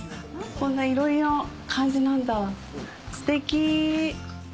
こんな囲炉裏の感じなんだステキ。